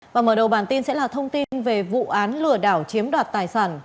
và mở đầu bản tin sẽ là thông tin về vụ án lừa đảo chiếm đoạt tài sản